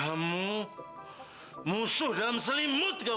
kamu musuh dalam selimut